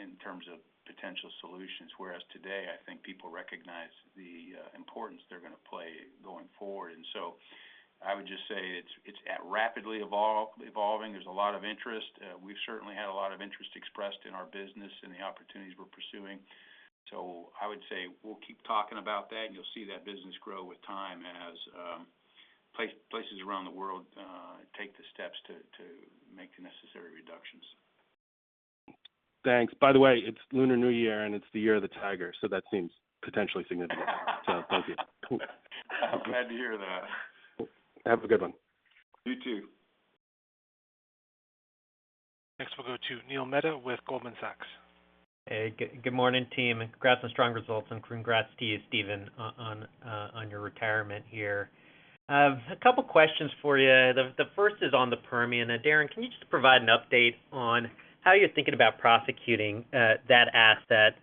in terms of potential solutions. Whereas today, I think people recognize the importance they're gonna play going forward. I would just say it's rapidly evolving. There's a lot of interest. We've certainly had a lot of interest expressed in our business and the opportunities we're pursuing. I would say we'll keep talking about that, and you'll see that business grow with time as places around the world take the steps to make Thanks. By the way, it's Lunar New Year, and it's the year of the Tiger, so that seems potentially significant. Thank you. I'm glad to hear that. Have a good one. You too. Next we'll go to Neil Mehta with Goldman Sachs. Hey, good morning, team. Congrats on strong results, and congrats to you, Stephen, on your retirement here. A couple questions for you. The 1st is on the Permian. Darren, can you just provide an update on how you're thinking about prosecuting that asset?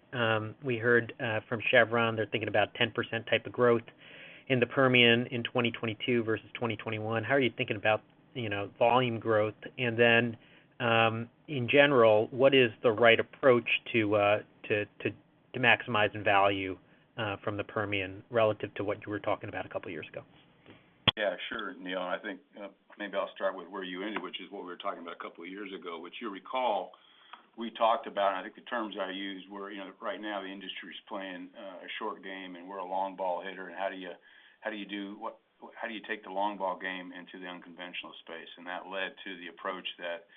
We heard from Chevron, they're thinking about 10% type of growth in the Permian in 2022 versus 2021. How are you thinking about volume growth? And then, in general, what is the right approach to maximize the value from the Permian relative to what you were talking about a couple years ago? Yeah, sure, Neil. I think maybe I'll start with where you ended, which is what we were talking about a couple of years ago. Which you'll recall, we talked about, and I think the terms I used were, you know, right now the industry's playing a short game, and we're a long ball hitter, and how do you take the long ball game into the unconventional space? That led to the approach that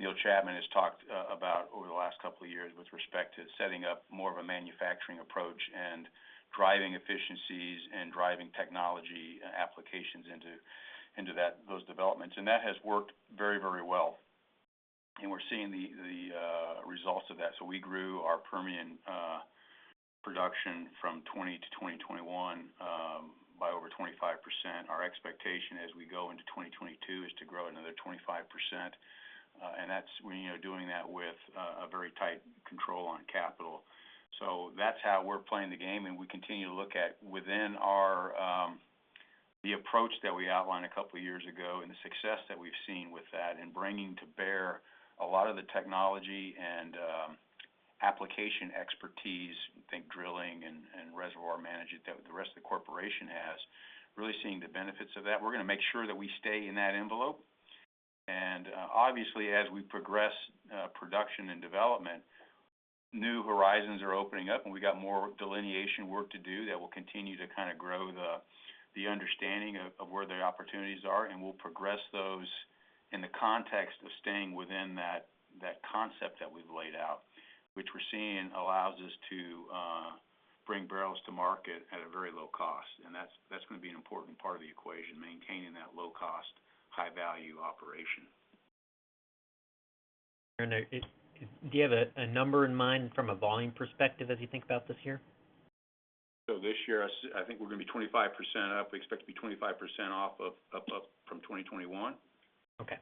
Neil Chapman has talked about over the last couple of years with respect to setting up more of a manufacturing approach, and driving efficiencies, and driving technology and applications into those developments. That has worked very well, and we're seeing the results of that. We grew our Permian production from 2020-2021 by over 25%. Our expectation as we go into 2022 is to grow another 25%. That's we're you know doing that with a very tight control on capital. So that's how we're playing the game, and we continue to look at within our the approach that we outlined a couple of years ago and the success that we've seen with that, and bringing to bear a lot of the technology and application expertise, think drilling and reservoir management that the rest of the corporation has, really seeing the benefits of that. We're gonna make sure that we stay in that envelope. Obviously, as we progress, production and development, new horizons are opening up, and we've got more delineation work to do that will continue to kind a grow the understanding of where the opportunities are, and we'll progress those in the context of staying within that concept that we've laid out, which we're seeing allows us to bring barrels to market at a very low cost. That's gonna be an important part of the equation, maintaining that low cost, high value operation. Do you have a number in mind from a volume perspective as you think about this year? This year, I think we're gonna be 25% up. We expect to be 25% up from 2021. Okay.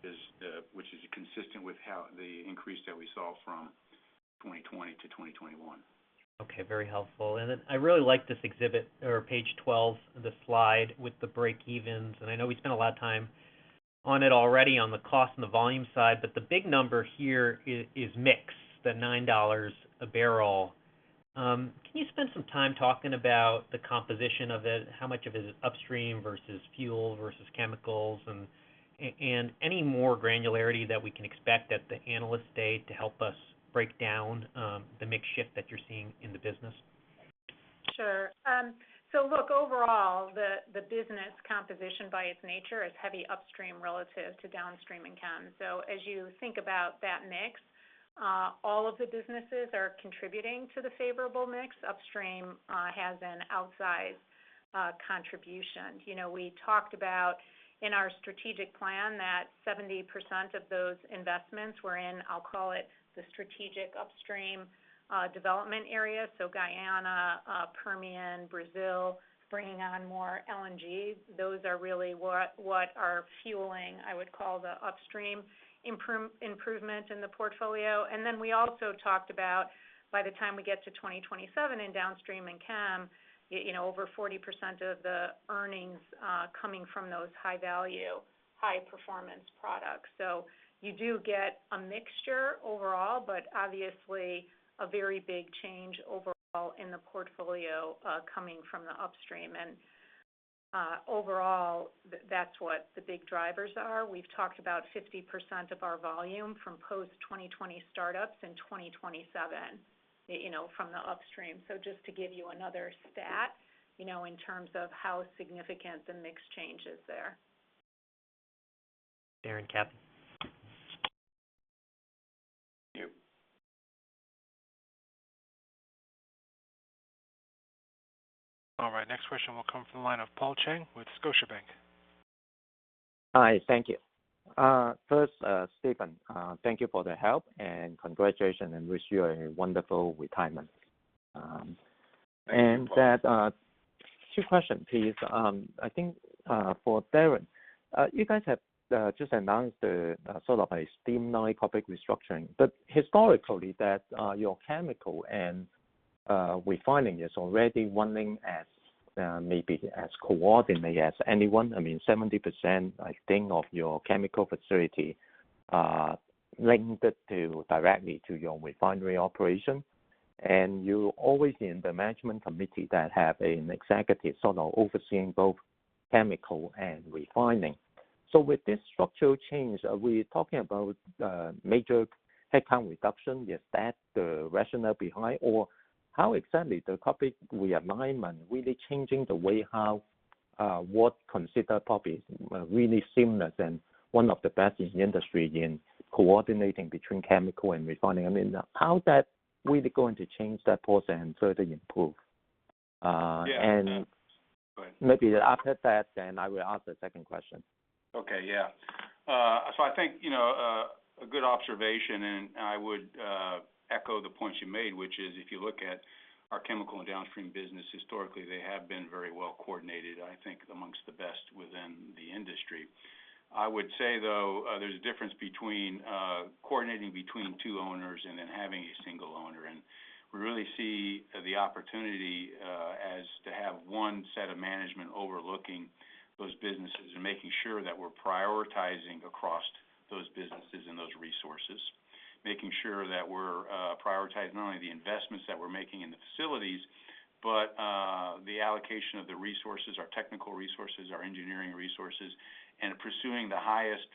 Which is consistent with how the increase that we saw from 2020-2021. Okay, very helpful. Then I really like this exhibit or page 12, the slide with the breakevens. I know we spent a lot of time on it already on the cost and the volume side. The big number here is mix, the $9 a barrel. Can you spend some time talking about the composition of it? How much of it is upstream versus fuel versus chemicals, and any more granularity that we can expect at the Investor Day to help us break down the mix shift that you're seeing in the business? Sure. Look, overall, the business composition by its nature is heavy Upstream relative to Downstream and chem. As you think about that mix, all of the businesses are contributing to the favorable mix. Upstream has an outsized contribution. You know, we talked about in our strategic plan that 70% of those investments were in, I'll call it, the strategic Upstream development area. Guyana, Permian, Brazil, bringing on more LNG. Those are really what are fueling, I would call the Upstream improvement in the portfolio. We also talked about, by the time we get to 2027 in Downstream and chem, you know, over 40% of the earnings coming from those high-value, high-performance products. You do get a mixture overall, but obviously a very big change overall in the portfolio, coming from the upstream. Overall, that's what the big drivers are. We've talked about 50% of our volume from post-2020 startups in 2027, you know, from the upstream. Just to give you another stat, you know, in terms of how significant the mix change is there. Darren, Kathy. Thank you. All right, next question will come from the line of Paul Cheng with Scotiabank. Hi, thank you. 1st, Stephen, thank you for the help, and congratulations, and wish you a wonderful retirement. That two questions please. I think, for Darren, you guys have just announced the sort of a streamline topical restructuring. Historically that, your chemical and refining is already running as maybe as coordinated as anyone. I mean, 70%, I think, of your chemical facility linked directly to your refinery operation. You always in the management committee that have an executive sort of overseeing both chemical and refining. With this structural change, are we talking about major headcount reduction? Is that the rationale behind? How exactly the topic realignment really changing the way really seamless and one of the best in the industry in coordinating between chemical and refining. I mean, how is that really going to change that process and further improve? Yeah. And- Go ahead. Maybe after that then I will ask the 2nd question. Okay, yeah. I think, you know, a good observation, and I would echo the point you made, which is if you look at our chemical and downstream business historically, they have been very well coordinated, I think among the best within the industry. I would say, though, there's a difference between coordinating between two owners and then having a single owner, and we really see the opportunity as to have one set of management overlooking those businesses and making sure that we're prioritizing across those businesses and those resources. Making sure that we're prioritizing not only the investments that we're making in the facilities but the allocation of the resources, our technical resources, our engineering resources, and pursuing the highest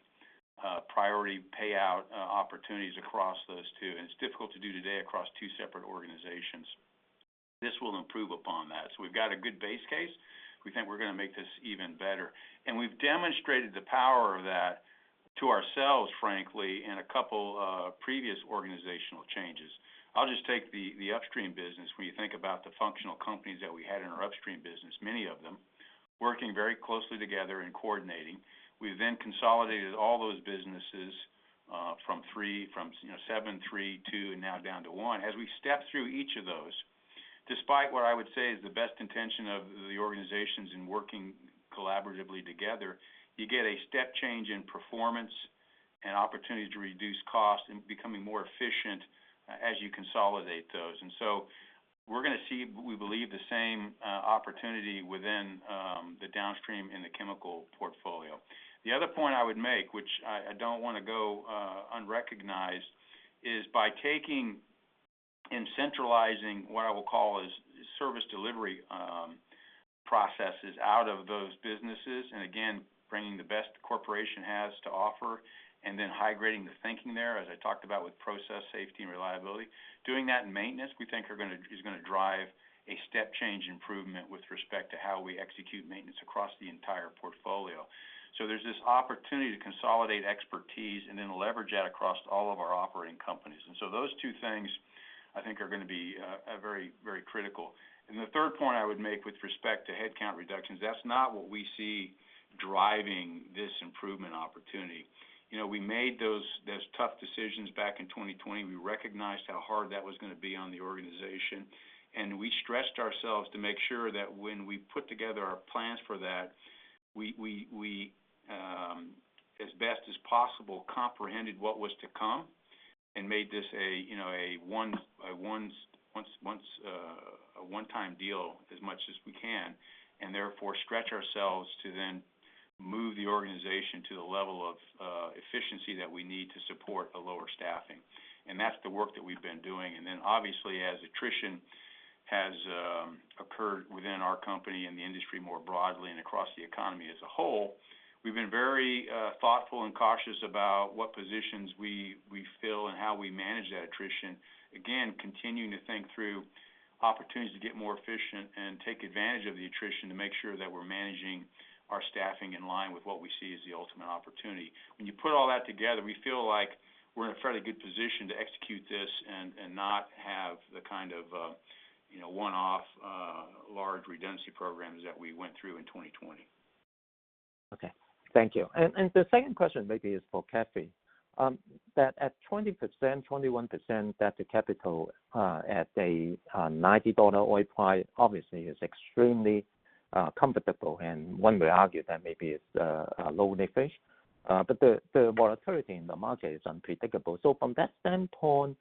priority payout opportunities across those two. It's difficult to do today across two separate organizations. This will improve upon that. We've got a good base case. We think we're gonna make this even better. We've demonstrated the power of that to ourselves, frankly, in a couple previous organizational changes. I'll just take the upstream business. When you think about the functional companies that we had in our upstream business, many of them working very closely together and coordinating. We then consolidated all those businesses from seven, three, two, and now down to one. As we step through each of those, despite what I would say is the best intention of the organizations in working collaboratively together, you get a step change in performance and opportunities to reduce cost and becoming more efficient as you consolidate those. We're gonna see, we believe, the same opportunity within the downstream in the Chemical portfolio. The other point I would make, which I don't wanna go unrecognized, is by taking and centralizing what I will call is service delivery processes out of those businesses, and again, bringing the best the corporation has to offer, and then high grading the thinking there, as I talked about with process, safety, and reliability. Doing that in maintenance, we think is gonna drive a step change improvement with respect to how we execute maintenance across the entire portfolio. There's this opportunity to consolidate expertise and then leverage that across all of our operating companies. Those two things I think are gonna be very, very critical. The third point I would make with respect to headcount reductions, that's not what we see driving this improvement opportunity. We made those tough decisions back in 2020. We recognized how hard that was gonna be on the organization, and we stretched ourselves to make sure that when we put together our plans for that, as best as possible, comprehended what was to come and made this, you know, a one-time deal as much as we can, and therefore stretch ourselves to then move the organization to the level of efficiency that we need to support the lower staffing. That's the work that we've been doing. Obviously, as attrition has occurred within our company and the industry more broadly and across the economy as a whole, we've been very thoughtful and cautious about what positions we fill and how we manage that attrition. Again, continuing to think through opportunities to get more efficient and take advantage of the attrition to make sure that we're managing our staffing in line with what we see as the ultimate opportunity. When you put all that together, we feel like we're in a fairly good position to execute this and not have the kind of, you know, one-off large redundancy programs that we went through in 2020. Okay. Thank you. The 2nd question maybe is for Kathy. That at 20%, 21%, that the capital at a $90 oil price obviously is extremely comfortable, and one may argue that maybe it's low leverage. The volatility in the market is unpredictable. From that standpoint,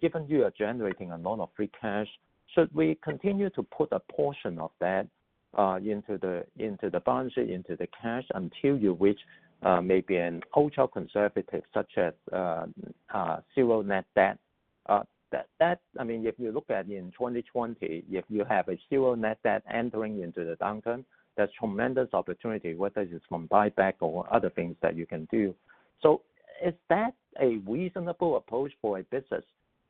given you are generating a lot of free cash, should we continue to put a portion of that into the balance sheet, into the cash until you reach maybe an ultra-conservative such as zero net debt? I mean, if you look at in 2020, if you have a zero net debt entering into the downturn, that's tremendous opportunity, whether it's from buyback or other things that you can do. Is that a reasonable approach for a business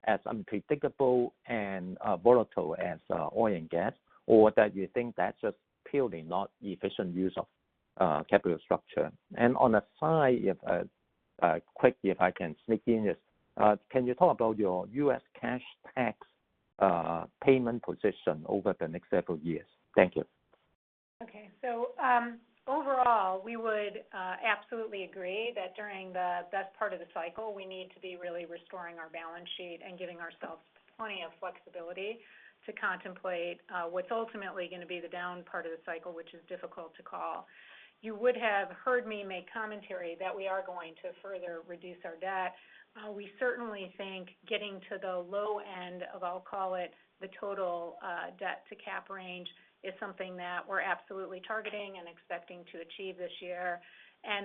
as unpredictable and volatile as oil and gas? Or that you think that's just purely not efficient use of capital structure? On the side, quickly, if I can sneak in this. Can you talk about your US cash tax payment position over the next several years? Thank you. Okay. Overall, we would absolutely agree that during the best part of the cycle, we need to be really restoring our balance sheet and giving ourselves plenty of flexibility to contemplate what's ultimately gonna be the down part of the cycle, which is difficult to call. You would have heard me make commentary that we are going to further reduce our debt. We certainly think getting to the low end of, I'll call it, the total debt-to-capital range is something that we're absolutely targeting and expecting to achieve this year.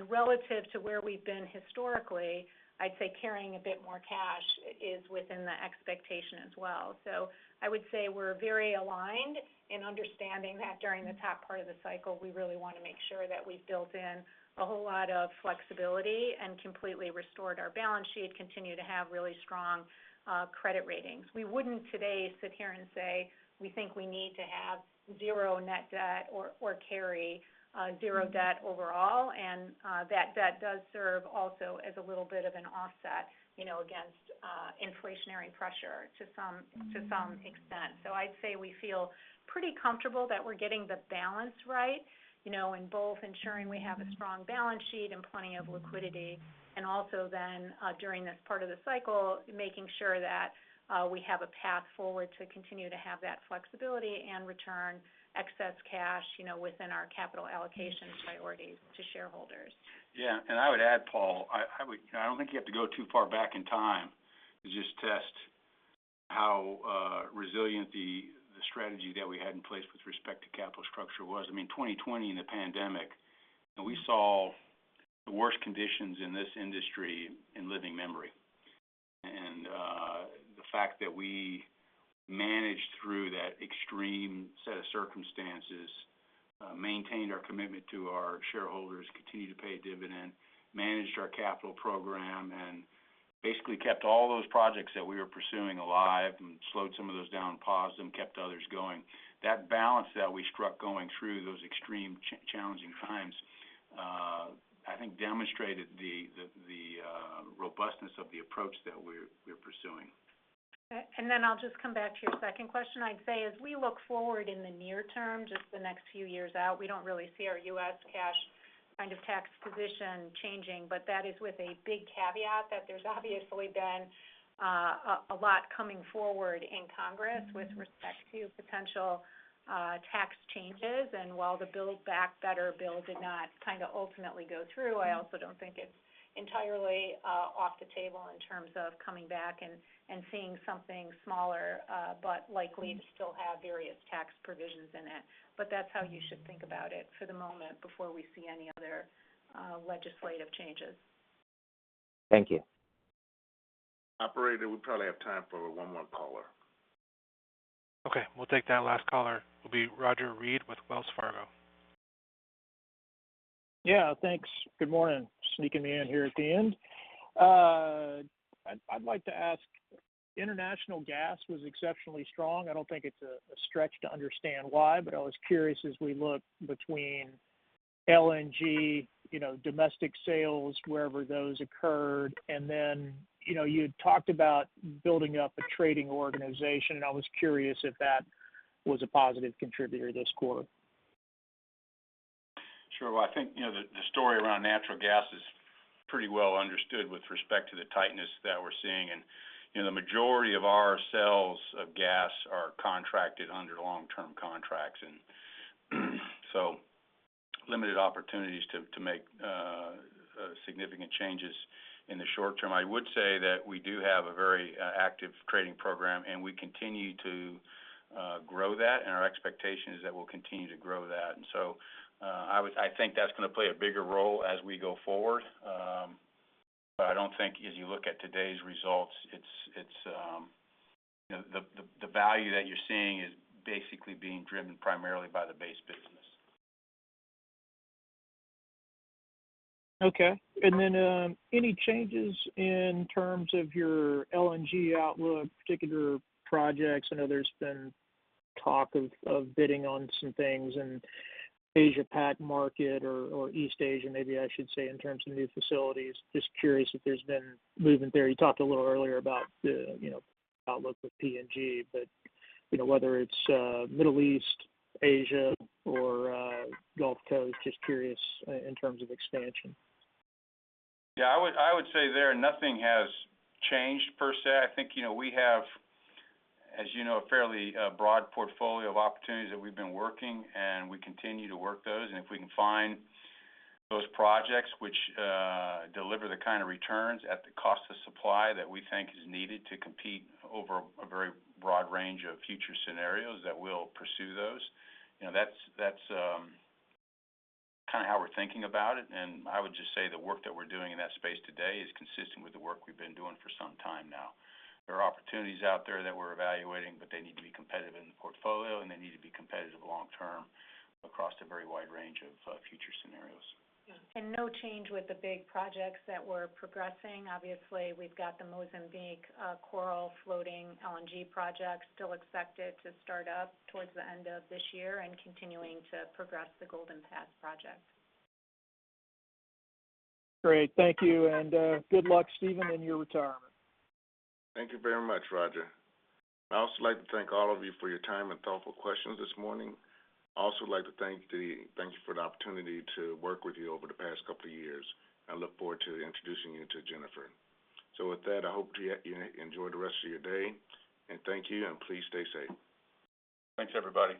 Relative to where we've been historically, I'd say carrying a bit more cash is within the expectation as well. I would say we're very aligned in understanding that during the top part of the cycle, we really wanna make sure that we've built in a whole lot of flexibility and completely restored our balance sheet, continue to have really strong credit ratings. We wouldn't today sit here and say, we think we need to have zero net debt or carry zero debt overall. That debt does serve also as a little bit of an offset, you know, against inflationary pressure to some extent. I'd say we feel pretty comfortable that we're getting the balance right, you know, in both ensuring we have a strong balance sheet and plenty of liquidity. During this part of the cycle, making sure that we have a path forward to continue to have that flexibility and return excess cash, you know, within our capital allocation priorities to shareholders. Yeah. I would add, Paul. I don't think you have to go too far back in time to just test how resilient the strategy that we had in place with respect to capital structure was. I mean, 2020 in the pandemic, and we saw the worst conditions in this industry in living memory. The fact that we managed through that extreme set of circumstances, maintained our commitment to our shareholders, continued to pay dividend, managed our capital program, and basically kept all those projects that we were pursuing alive and slowed some of those down, paused them, kept others going. That balance that we struck going through those extreme challenging times, I think demonstrated the robustness of the approach that we're pursuing. I'll just come back to your second question. I'd say as we look forward in the near term, just the next few years out, we don't really see our US cash kind of tax position changing, but that is with a big caveat that there's obviously been a lot coming forward in Congress with respect to potential tax changes. While the Build Back Better bill did not kind of ultimately go through, I also don't think it's entirely off the table in terms of coming back and seeing something smaller, but likely to still have various tax provisions in it. That's how you should think about it for the moment before we see any other legislative changes. Thank you. Operator, we probably have time for one more caller. Okay. We'll take that last caller. It'll be Roger Read with Wells Fargo. Yeah, thanks. Good morning. Sneaking me in here at the end. I'd like to ask, international gas was exceptionally strong. I don't think it's a stretch to understand why, but I was curious as we look between LNG, you know, domestic sales, wherever those occurred, and then, you know, you had talked about building up a trading organization, and I was curious if that was a positive contributor this quarter. Sure. Well, I think, you know, the story around natural gas is pretty well understood with respect to the tightness that we're seeing. You know, the majority of our sales of gas are contracted under long-term contracts, so limited opportunities to make significant changes in the short term. I would say that we do have a very active trading program, and we continue to grow that, and our expectation is that we'll continue to grow that. I think that's gonna play a bigger role as we go forward. But I don't think as you look at today's results, it's you know, the value that you're seeing is basically being driven primarily by the base business. Okay. Any changes in terms of your LNG outlook, particular projects? I know there's been talk of bidding on some things in Asia Pac market or East Asia, maybe I should say, in terms of new facilities. Just curious if there's been movement there. You talked a little earlier about the outlook with PNG, but you know, whether it's Middle East, Asia, or Gulf Coast, just curious in terms of expansion. Yeah. I would say there's nothing has changed per se. I think, you know, we have, as you know, a fairly broad portfolio of opportunities that we've been working, and we continue to work those. If we can find those projects which deliver the kind of returns at the cost of supply that we think is needed to compete over a very broad range of future scenarios, that we'll pursue those. You know, that's kinda how we're thinking about it. I would just say the work that we're doing in that space today is consistent with the work we've been doing for some time now. There are opportunities out there that we're evaluating, but they need to be competitive in the portfolio, and they need to be competitive long term across a very wide range of future scenarios. Yeah. No change with the big projects that we're progressing. Obviously, we've got the Mozambique Coral South floating LNG project still expected to start up towards the end of this year and continuing to progress the Golden Pass project. Great. Thank you. Good luck, Steven, in your retirement. Thank you very much, Roger. I'd also like to thank all of you for your time and thoughtful questions this morning. I'd also like to thank you for the opportunity to work with you over the past couple of years. I look forward to introducing you to Jennifer. With that, I hope you enjoy the rest of your day. Thank you, and please stay safe. Thanks, everybody.